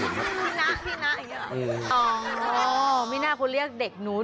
นาน่าคุณก็เลยเรียกเด็กหนู